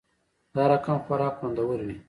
دا رقمخوراک خوندور وی